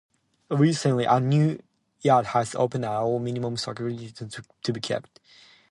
Recently, a new yard has opened allowing minimum security men to be kept.